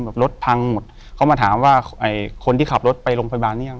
รถพังหมดเขามาถามว่าไอ้คนที่ขับรถไปโรงพยาบาลหรือยัง